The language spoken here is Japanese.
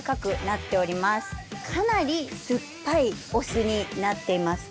かなり酸っぱいお酢になっています。